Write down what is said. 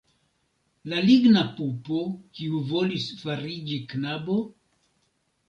La ligna pupo, kiu volis fariĝi knabo?